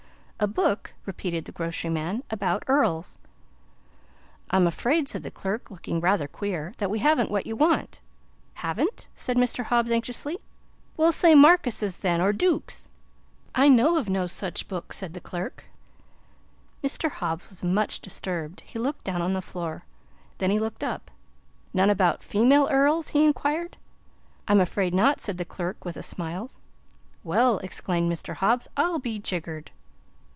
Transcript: "A book," repeated the grocery man, "about earls." "I'm afraid," said the clerk, looking rather queer, "that we haven't what you want." "Haven't?" said Mr. Hobbs, anxiously. "Well, say markises then or dooks." "I know of no such book," answered the clerk. Mr. Hobbs was much disturbed. He looked down on the floor, then he looked up. "None about female earls?" he inquired. "I'm afraid not," said the clerk with a smile. "Well," exclaimed Mr. Hobbs, "I'll be jiggered!"